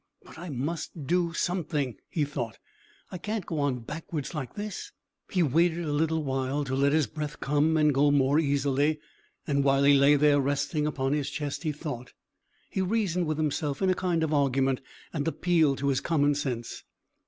"But I must do something," he thought. "I can't go on backwards like this." He waited a little while to let his breath come and go more easily, and while he lay there resting upon his chest he thought. He reasoned with himself in a kind of argument and appeal to his common sense.